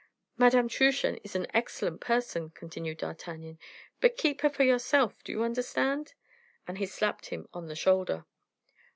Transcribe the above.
"Madame Truchen is an excellent person," continued D'Artagnan, "but keep her for yourself, do you understand?" and he slapped him on the shoulder.